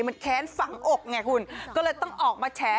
มันแค้นฝังอกไงคุณก็เลยต้องออกมาแฉ